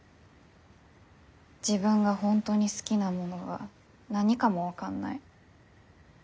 自分が本当に好きなものが何かも分かんない。